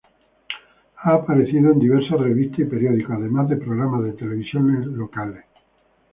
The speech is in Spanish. Ha aparecido en diversas revistas y periódicos además de programas de televisión locales.